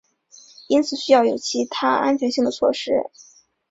因此需要有其他安全性的措施。